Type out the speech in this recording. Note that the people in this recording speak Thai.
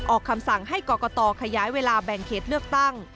คำสั่งให้กรกตขยายเวลาแบ่งเขตเลือกตั้ง